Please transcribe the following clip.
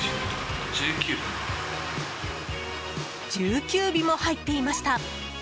１９尾も入っていました。